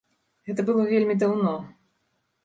Гэта было вельмі даўно.